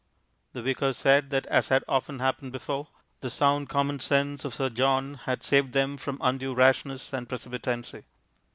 The Vicar said that as had often happened before, the sound common sense of Sir John had saved them from undue rashness and precipitancy.